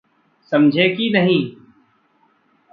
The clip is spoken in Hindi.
समझे कि नहीं?